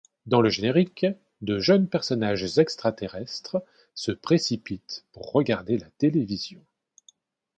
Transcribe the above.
Dans le générique, de jeunes personnages extra-terrestres, se précipitent pour regarder la télévision.